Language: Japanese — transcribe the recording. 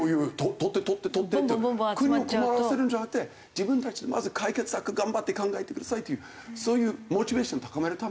取って取って取ってって国を困らせるんじゃなくて自分たちでまず解決策頑張って考えてくださいっていうそういうモチベーション高めるための２０万円ですよね。